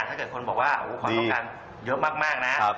ถ้าเกิดคนบอกว่าความต้องการเยอะมากนะ